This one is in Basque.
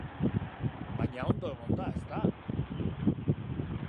Baina ondo egon da, ezta?